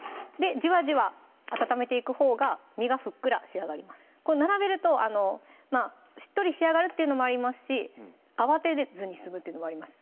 じわじわ温めていくほうが身がふっくら仕上がります並べるとしっとり仕上がるっていうのもありますし慌てずに済むってのもあります